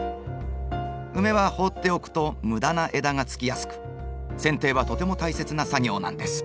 ウメは放っておくと無駄な枝がつきやすくせん定はとても大切な作業なんです。